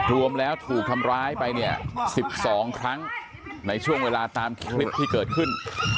รวมแล้วถูกทำร้ายไปเนี่ย๑๒ครั้งในช่วงเวลาตามคลิปที่เกิดขึ้น